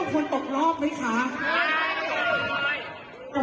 น้องลูกเท่าควรตกรอบไหมค่ะใช่